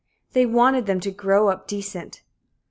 They wanted them "to grow up decent."